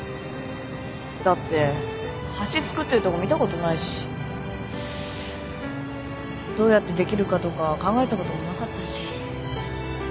だって橋造ってるとこ見たことないしどうやってできるかとか考えたこともなかったし。